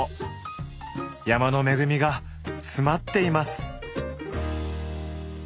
山の恵みが詰まっています。